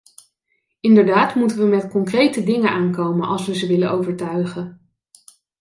Inderdaad moeten wij met concrete dingen aankomen als wij ze willen overtuigen.